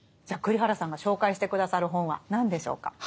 じゃあ栗原さんが紹介して下さる本は何でしょうか。